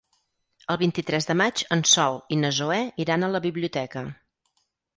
El vint-i-tres de maig en Sol i na Zoè iran a la biblioteca.